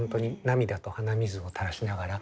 涙と鼻水をたらしながら。